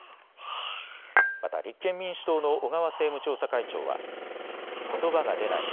また立憲民主党の小川政務調査会長はことばが出ない。